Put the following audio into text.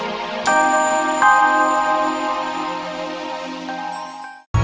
ya udah om baik